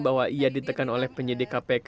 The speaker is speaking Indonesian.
bahwa ia ditekan oleh penyidik kpk